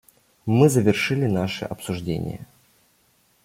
Мы завершили наши обсуждения.